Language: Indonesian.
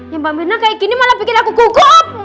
ya mbak mirna kayak gini malah pikir aku gugup